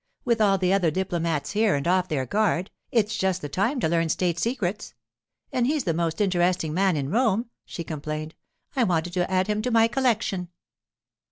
With all the other diplomats here and off their guard, it's just the time to learn state secrets. And he's the most interesting man in Rome,' she complained. 'I wanted to add him to my collection.